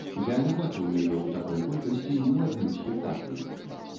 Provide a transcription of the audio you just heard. Я не бачыў яе ў такой колькасці ні ў адным спектаклі.